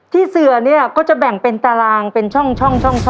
เสือเนี่ยก็จะแบ่งเป็นตารางเป็นช่อง๓